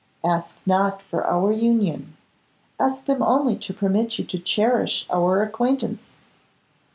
Ask not for our union, ask them only to permit you to cherish our acquaintance.